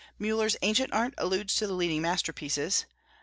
Müller's Ancient Art alludes to the leading masterpieces.